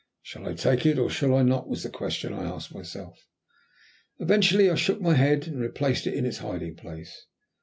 "Shall I take it or shall I not?" was the question I asked myself. Eventually I shook my head and replaced it in its hiding place.